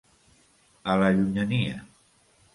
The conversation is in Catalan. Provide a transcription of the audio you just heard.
A la llunyania.